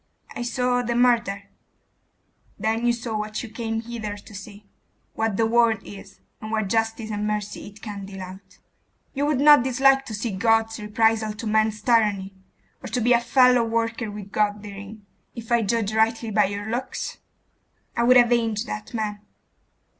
'I saw the murder ' 'Then you saw what you came hither to see; what the world is, and what justice and mercy it can deal out. You would not dislike to see God's reprisals to man's tyranny?.... Or to be a fellow worker with God therein, if I judge rightly by your looks?' 'I would avenge that man.